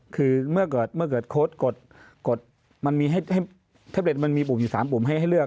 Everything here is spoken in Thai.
คือเมื่อเกิดโค้ดกดมันมีให้เล็ตมันมีปุ่มอยู่๓ปุ่มให้เลือก